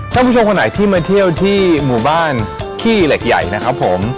ท่านผู้ชมคนไหนที่มาเที่ยวที่หมู่บ้านขี้เหล็กใหญ่นะครับผม